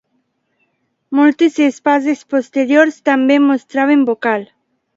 Moltes espases posteriors també mostraven bocal.